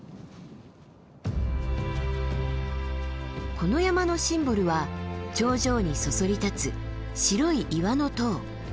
この山のシンボルは頂上にそそり立つ白い岩の塔オベリスク。